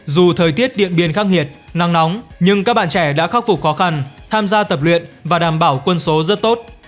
dù thời tiết điện biên khắc nghiệt nắng nóng nhưng các bạn trẻ đã khắc phục khó khăn tham gia tập luyện và đảm bảo quân số rất tốt